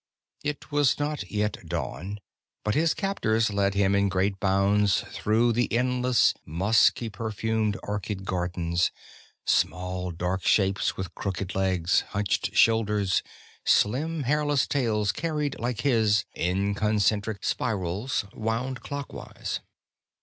It was not yet dawn, but his captors led him in great bounds through the endless, musky perfumed orchid gardens, small dark shapes with crooked legs, hunched shoulders, slim hairless tails carried, like his, in concentric spirals wound clockwise.